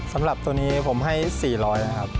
สำหรับตัวนี้ผมให้๔๐๐นะครับ